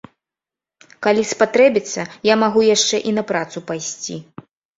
Калі спатрэбіцца, я магу яшчэ і на працу пайсці.